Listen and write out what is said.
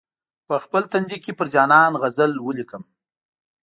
په خپل تندي کې پر جانان غزل ولیکم.